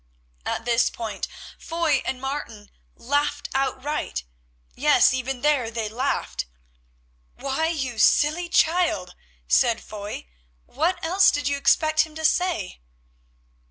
At this point Foy and Martin laughed outright. Yes, even there they laughed. "Why, you silly child," said Foy, "what else did you expect him to say?"